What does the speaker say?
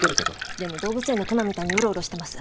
でも動物園の熊みたいにうろうろしてます